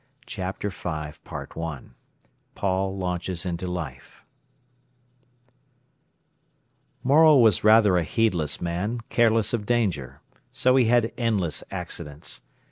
CHAPTER V PAUL LAUNCHES INTO LIFE Morel was rather a heedless man, careless of danger. So he had endless accidents.